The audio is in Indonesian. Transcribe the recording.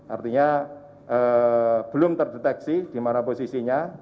artinya belum terdeteksi di mana posisinya